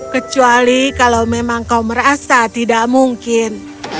kecuali kalau memang kau merasa tidak mungkin